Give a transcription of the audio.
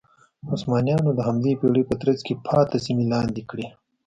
عثمانیانو د همدې پېړۍ په ترڅ کې پاتې سیمې لاندې کړې.